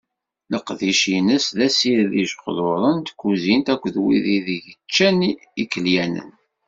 Leqdic-ines d asired n yiqejduren n tkuzint akked wid ideg ččan yikelyanen.